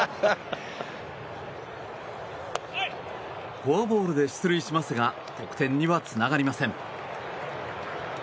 フォアボールで出塁しますが得点にはつながりません。